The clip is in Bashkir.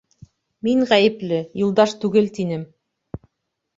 Мин ғәйепле, Юлдаш түгел, тинем.